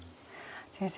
先生